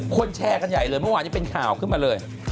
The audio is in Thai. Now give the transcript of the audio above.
แชร์กันใหญ่เลยเมื่อวานนี้เป็นข่าวขึ้นมาเลย